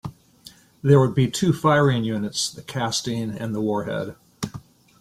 There would be two firing units, the casting and the warhead.